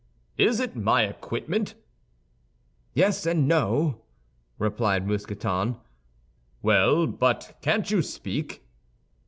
"Is it my equipment?" "Yes and no," replied Mousqueton. "Well, but can't you speak?"